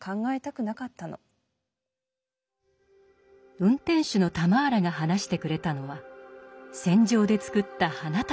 運転手のタマーラが話してくれたのは戦場で作った花束のことでした。